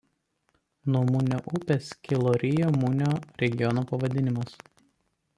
Nuo Munio upės kilo Rio Munio regiono pavadinimas.